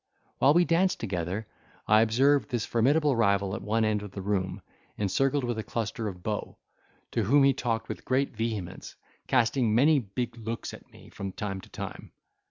While we danced together, I observed this formidable rival at one end of the room, encircled with a cluster of beaux, to whom he talked with great vehemence, casting many big looks at me from time to time.